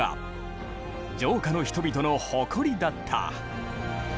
城下の人々の誇りだった。